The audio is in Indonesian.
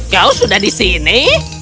kau sudah di sini